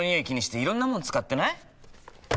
気にしていろんなもの使ってない？